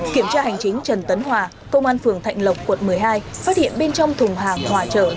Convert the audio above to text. kiểm tra hành chính trần tấn hòa công an phường thạnh lộc quận một mươi hai phát hiện bên trong thùng hàng hòa trở